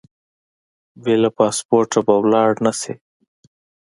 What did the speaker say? بې له پاسپورټه به ولاړ نه شې.